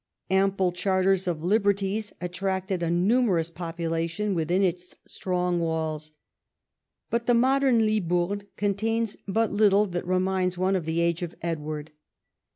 Ample charters of liberties attracted a numerous population within its strong walls. But the modern Libourne contains but little that reminds one of the age of Edward.